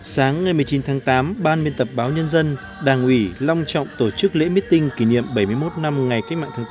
sáng ngày một mươi chín tháng tám ban miên tập báo nhân dân đảng ủy long trọng tổ chức lễ meeting kỷ niệm bảy mươi một năm ngày cách mạng tháng tám